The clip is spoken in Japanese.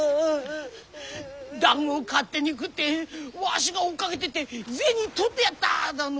だんごを勝手に食ってわしが追っかけてって銭取ってやった！だの。